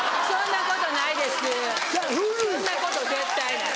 そんなこと絶対ない。